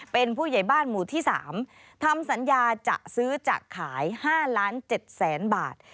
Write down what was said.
เป็นผู้ใหญ่บ้านหมู่ที่๓ทำสัญญาจะซื้อจะขาย๕ล้าน๗แสนบาท